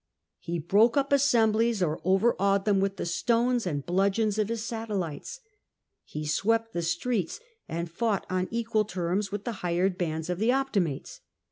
He broke up assemblies, or overawed them with the stones and bludgeons of his satellites. He swept the streets, and fought on equal terms with the hired bands of the Opti mates.